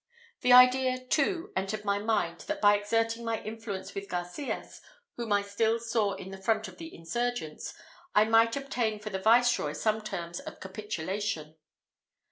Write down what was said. The idea, too, entered my mind, that by exerting my influence with Garcias, whom I still saw in the front of the insurgents, I might obtain for the viceroy some terms of capitulation.